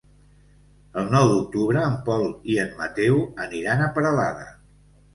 El nou d'octubre en Pol i en Mateu aniran a Peralada.